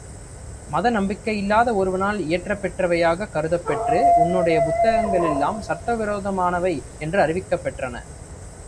மத நம்பிக்கையில்லாத ஒருவனால் இயற்றப்பெற்றவையாகக் கருதப்பெற்று உன்னுடைய புத்தகங்களெல்லாம் சட்டவிரோதமானவை என்று அறிவிக்கப் பெற்றன.